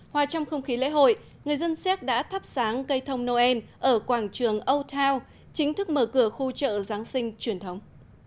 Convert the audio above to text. hòa trong không khí lễ hội người dân xéc đã thắp sáng cây thông noel ở quảng trường âu thao chính thức mở cửa khu chợ giáng sinh truyền thống